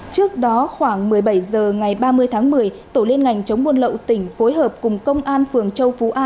trước đó khoảng một mươi bảy h ngày ba mươi tháng một mươi tổ liên ngành chống buôn lậu tỉnh phối hợp cùng công an phường châu phú a